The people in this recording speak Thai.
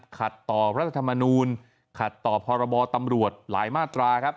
ขัดต่อรัฐธรรมนุนขัดต่อพรบตรหลายมาตรา